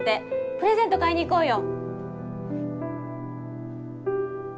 プレゼント買いに行こうよ。